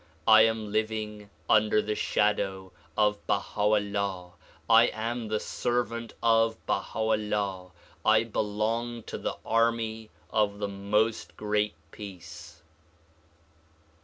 I am living under the shadow of Bah a 'Ullah. I am the servant of Baha 'Ullah. I belong to the army of the 'IMost Great Peace'."